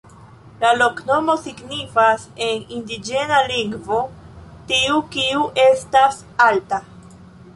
La loknomo signifas en indiĝena lingvo: tiu kiu estas alta.